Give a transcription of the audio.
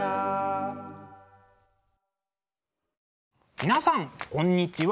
皆さんこんにちは。